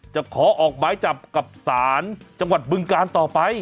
จะขอออกหมายจับกับศาลจังหวัดบึงการต่อไป